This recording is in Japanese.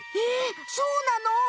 えそうなの？